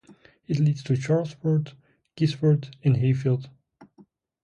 It leads to Charlesworth, Chisworth and Hayfield.